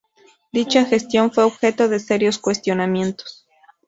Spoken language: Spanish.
Dicha gestión fue objeto de serios cuestionamientos.